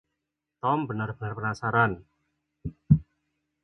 Tom benar-benar penasaran.